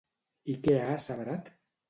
I què ha asseverat?